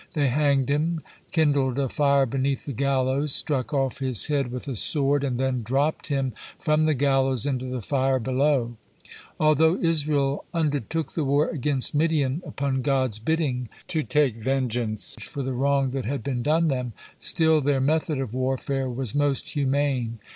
They hanged him, kindled a fire beneath the gallows, struck off his head with a sword, and then dropped him from the gallows into the fire below. Although Israel undertook the war against Midian upon God's bidding, to take vengeance for the wrong that had been done them, still their method of warfare was most humane.